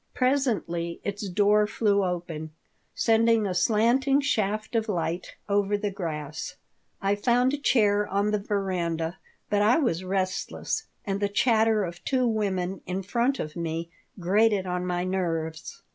Presently its door flew open, sending a slanting shaft of light over the grass I found a chair on the veranda, but I was restless, and the chatter of two women in front of me grated on my nerves.